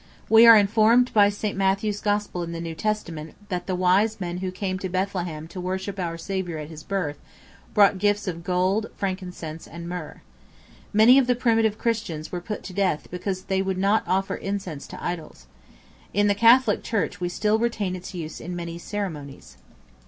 We are informed by St. Matthew's Gospel in the New Testament, that the wise men who came to Bethlehem to worship our Saviour at his birth, brought gifts of gold, frankincense, and myrrh. Many of the primitive Christians were put to death because they would not offer incense to idols. In the Catholic Church we still retain its use in many ceremonies.